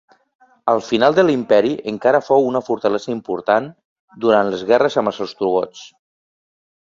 Al final de l'imperi encara fou una fortalesa important durant les guerres amb els ostrogots.